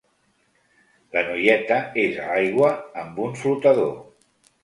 La noieta és a l'aigua amb un flotador.